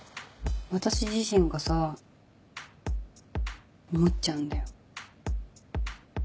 私自身がさ思っちゃうんだよ